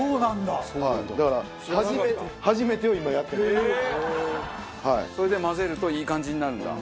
だからそれで混ぜるといい感じになるんだ？